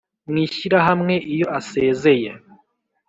mw ishyirahamwe iyo Asezeye